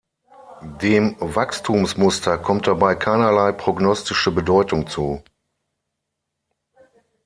Dem Wachstumsmuster kommt dabei keinerlei prognostische Bedeutung zu.